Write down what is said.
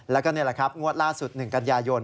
แล้วก็นี่แหละครับงวดล่าสุด๑กันยายน